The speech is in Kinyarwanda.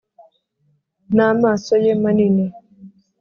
n'amaso ye manini